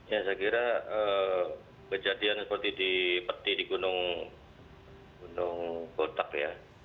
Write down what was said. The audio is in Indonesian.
ya saya kira kejadian seperti di peti di gunung kotak ya